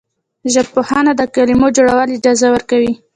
ژبپوهنه د کلمو جوړول اجازه ورکوي.